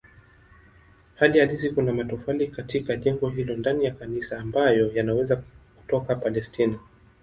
Hali halisi kuna matofali katika jengo hilo ndani ya kanisa ambayo yanaweza kutoka Palestina.